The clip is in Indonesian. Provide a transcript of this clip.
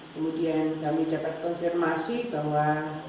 kemudian kami dapat konfirmasi bahwa